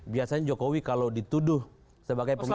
biasanya jokowi kalau dituduh sebagai pemerintah